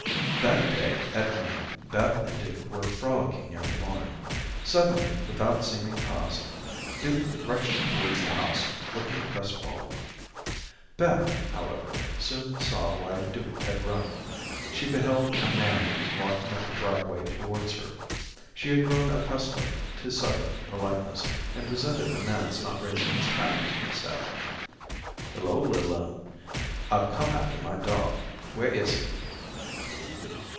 That day, at noon, Beth and Duke were frolicing near the barn. Suddenly, without seeming cause, Duke rushed towards the house, looking crestfallen. Beth, however, soon saw why Duke had run. She beheld a man walking up the driveway towards her. She had grown accustomed to Southern politeness, and resented the man's not raising his hat when he said: "Hello, little un. I've come after my dog. Where is he?"